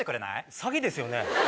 詐欺ですよね！